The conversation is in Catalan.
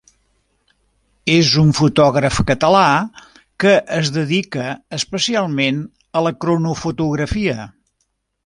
És un fotògraf català que es dedica a especialment a la cronofotografia.